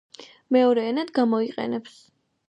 მეორე ენად გამოიყენებს.